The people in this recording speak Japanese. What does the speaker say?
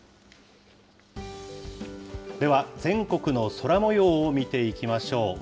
では、全国の空もようを見ていきましょう。